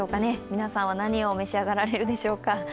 皆さんは何を召し上がられるでしょうか。